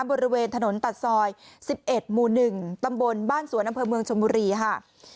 บริเวณถนนตัดซอย๑๑หมู่๑ตำบลบ้านสวนอำเภอเมืองชนบุรีค่ะ